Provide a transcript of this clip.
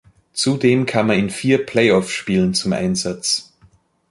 Zudem kam er in vier Playoffspielen zum Einsatz.